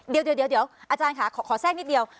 เดี๋ยวเดี๋ยวเดี๋ยวอาจารย์ค่ะขอแทรกนิดเดียว